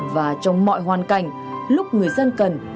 và trong mọi hoàn cảnh lúc người dân cần